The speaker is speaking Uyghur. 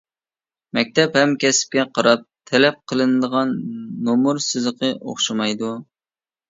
مەكتەپ ھەم كەسىپكە قاراپ تەلەپ قىلىنىدىغان نومۇر سىزىقى ئوخشىمايدۇ.